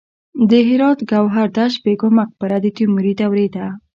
د هرات ګوهردش بیګم مقبره د تیموري دورې ده